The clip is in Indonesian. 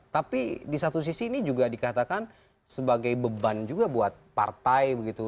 tapi di satu sisi ini juga dikatakan sebagai beban juga buat partai begitu